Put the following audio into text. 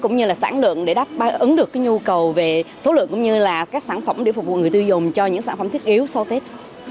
cũng như là sản lượng để đáp ứng được nhu cầu về số lượng cũng như là các sản phẩm để phục vụ người tiêu dùng cho những sản phẩm thiết yếu sau tết